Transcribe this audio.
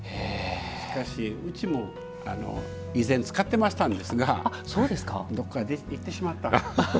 しかし、うちも以前使ってましたがどこかいってしまった。